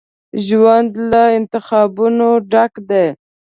ژوند له انتخابونو ډک دی.